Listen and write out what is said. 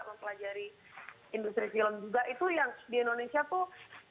mempelajari industri film juga itu yang di indonesia tuh